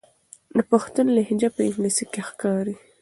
د پښتون لهجه په انګلیسي کې ښکاري.